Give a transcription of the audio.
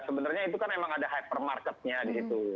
sebenarnya itu kan memang ada hypermarket nya di situ